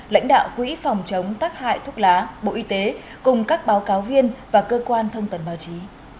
lãnh đạo quỹ phòng chống tác hại thuốc lá bộ y tế cùng các báo cáo viên và cơ quan thông tấn báo chí